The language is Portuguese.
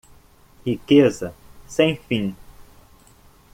Riqueza sem fim